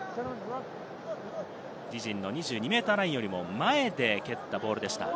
自陣の２２ｍラインよりも前で蹴ったボールでした。